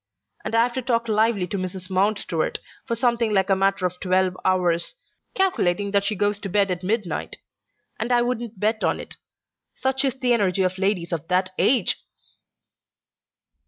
And I've to talk lively to Mrs. Mountstuart for something like a matter of twelve hours, calculating that she goes to bed at midnight: and I wouldn't bet on it; such is the energy of ladies of that age!"